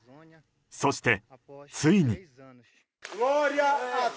そして、ついに。